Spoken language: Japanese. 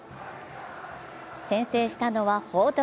先制したのは報徳。